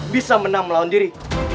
bisa menang melawan diri